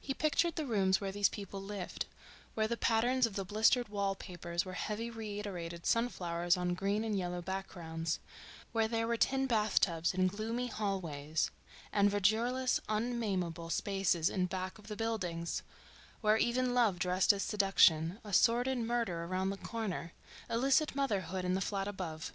He pictured the rooms where these people lived—where the patterns of the blistered wall papers were heavy reiterated sunflowers on green and yellow backgrounds, where there were tin bathtubs and gloomy hallways and verdureless, unnamable spaces in back of the buildings; where even love dressed as seduction—a sordid murder around the corner, illicit motherhood in the flat above.